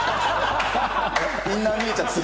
インナー見えちゃってる。